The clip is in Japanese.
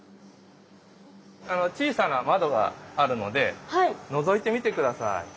小さな窓があるのでのぞいてみて下さい。